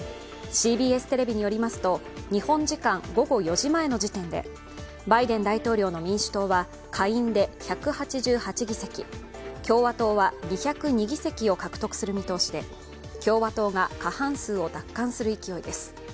ＣＢＳテレビによりますと日本時間午後４時前の時点でバイデン大統領の民主党は下院で１８８議席共和党は２０２議席を獲得する見通しで、共和党が過半数を奪還する勢いです。